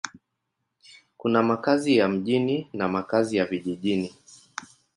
Kuna makazi ya mjini na makazi ya vijijini.